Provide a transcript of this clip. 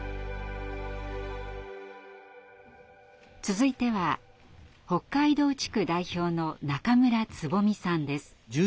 続いては北海道地区代表の中村蕾咲さんです。